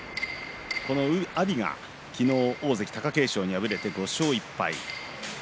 阿炎が昨日大関貴景勝に敗れて５勝１敗。